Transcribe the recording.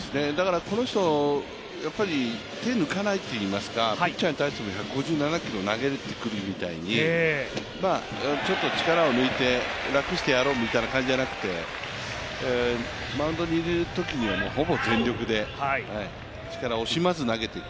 この人、手を抜かないといいますか、ピッチャーに対しても１５７キロ投げてくるみたいに、ちょっと力を抜いて、楽してやろうみたいな感じじゃなくてマウンドにいるときにはほぼ全力で力惜しまず投げていく。